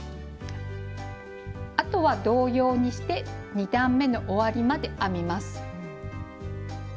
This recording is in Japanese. あとは同様にして２段めの終わりまで編みます。